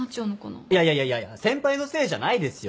いやいやいやいや先輩のせいじゃないですよ。